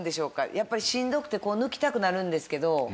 やっぱりしんどくて抜きたくなるんですけど。